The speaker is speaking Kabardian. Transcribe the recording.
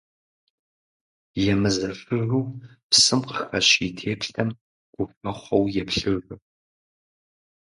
Емызэшыжу псым къыхэщ и теплъэм гухэхъуэу еплъыжырт.